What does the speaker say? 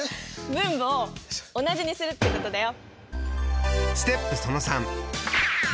分母を同じにするってことだよ。